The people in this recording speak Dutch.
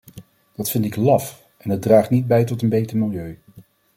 Dat vind ik laf, en het draagt niet bij tot een beter milieu.